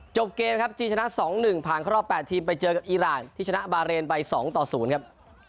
จบเกมครับจีนชนะ๒๑ผ่านเข้ารอบ๘ทีมไปเจอกับอีรานที่ชนะบาเรนไป๒ต่อ๐ครับ